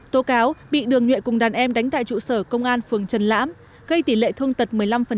tố cáo bị đường nhuệ cùng đàn em đánh tại trụ sở công an phường trần lãm gây tỷ lệ thương tật một mươi năm